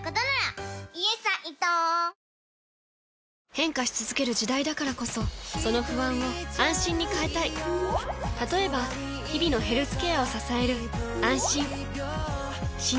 変化し続ける時代だからこそその不安を「あんしん」に変えたい例えば日々のヘルスケアを支える「あんしん」